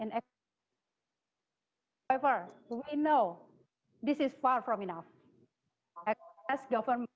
anda tahu keuntungannya mereka berkurangan